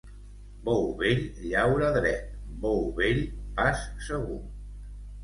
Bou vell llaura dret, bou vell, pas segur.